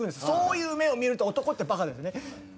そういう目を見ると男ってバカですね。